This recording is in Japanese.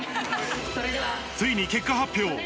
ついに結果発表。